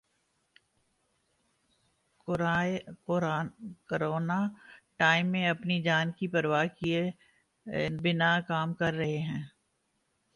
Corona time میں اپنی جان کی پرواہ کیے بنا کام کر رہے ہیں۔